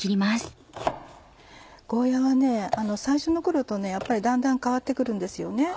ゴーヤは最初の頃とだんだん変わって来るんですよね。